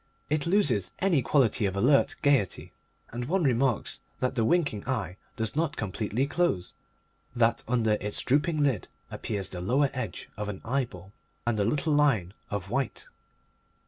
It loses any quality of alert gaiety, and one remarks that the winking eye does not completely close, that under its drooping lid appears the lower edge of an eyeball and a little line of white.